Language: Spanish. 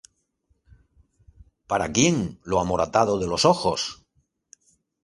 ¿Para quién lo amoratado de los ojos?